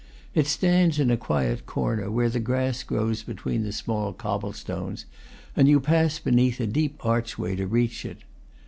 It stands in a quiet corner where the grass grows between the small cobble stones, and you pass beneath a deep archway to reach it.